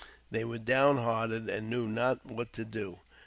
They were down hearted, and knew not what to do.